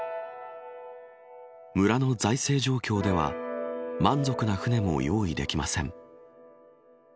村の財政状況では満足な船も用意できません。